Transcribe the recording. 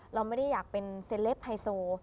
เราไม่ได้อยากเป็นเซลปไฮโซ